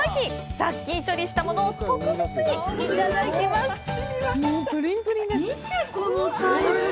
殺菌処理したものを特別にいただきます！